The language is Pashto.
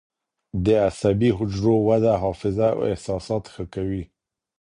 د عصبي حجرو وده حافظه او احساسات ښه کوي.